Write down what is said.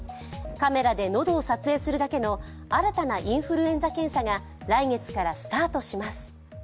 カメラで喉を撮影するだけの新たなインフルエンザ検査が来月からスタートします。